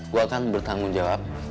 gue akan bertanggung jawab